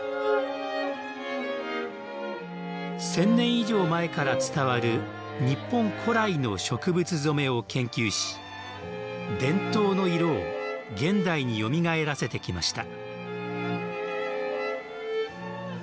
１０００年以上前から伝わる日本古来の植物染めを研究し伝統の色を現代によみがえらせてきました。